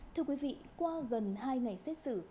thưa quý vị qua gần hai ngày xét xử